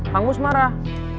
kang mus marah